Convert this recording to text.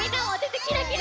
キラキラ。